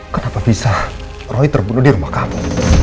kenapa bisa roy terbunuh di rumah kami